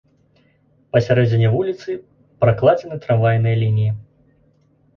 Па сярэдзіне вуліцы пракладзены трамвайныя лініі.